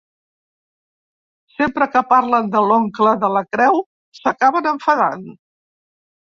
Sempre que parlen de l'oncle de la creu s'acaben enfadant.